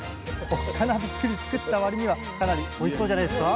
おっかなびっくり作ったわりにはかなりおいしそうじゃないですか？